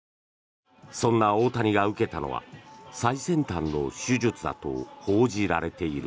そんな大谷が受けたのは最先端の手術だと報じられている。